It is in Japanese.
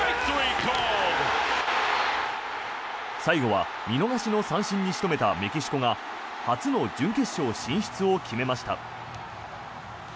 最後は見逃しの三振に仕留めたメキシコが初の準決勝進出を決めました。